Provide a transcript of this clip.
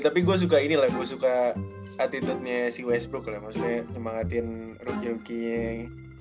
ya tapi gua suka ini lah gua suka attitude nya si westbrook lah maksudnya nyebangatin rukyuking